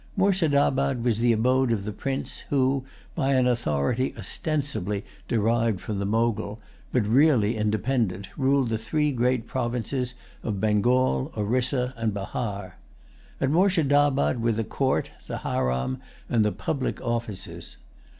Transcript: Moorshedabad was the abode of the prince who, by an authority ostensibly derived from the Mogul, but really independent, ruled the three great provinces of Bengal, Orissa, and Bahar. At Moorshedabad were the court, the haram, and the public offices.